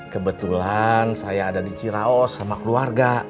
kebetulan saya ada di ciraos sama keluarga